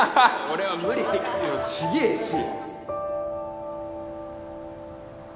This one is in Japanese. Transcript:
俺は無理違えし